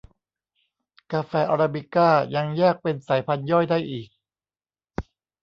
กาแฟอราบิก้ายังแยกเป็นสายพันธุ์ย่อยได้อีก